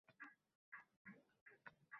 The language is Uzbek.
Endi bu uyda turishimam, tirikchiligimam harom